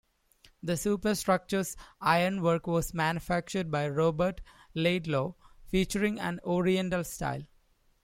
The superstructure's ironwork was manufactured by Robert Laidlaw, featuring an "oriental" style.